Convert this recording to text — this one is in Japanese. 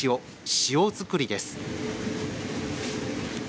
塩作りです。